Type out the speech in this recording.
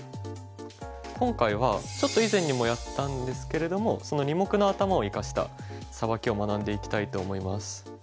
今回はちょっと以前にもやったんですけれどもその二目の頭を生かしたサバキを学んでいきたいと思います。